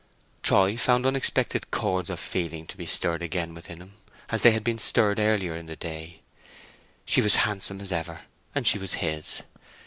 Troy found unexpected chords of feeling to be stirred again within him as they had been stirred earlier in the day. She was handsome as ever, and she was his.